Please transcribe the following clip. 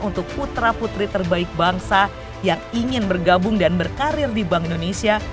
untuk putra putri terbaik bangsa yang ingin bergabung dan berkarir di bank indonesia